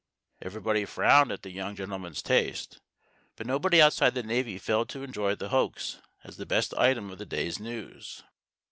Everybody frowned at the young gentleman's taste, but nobody outside the Navy failed to enjoy the hoax as the best item of the day's news.